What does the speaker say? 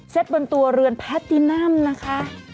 บนตัวเรือนแพทตินัมนะคะ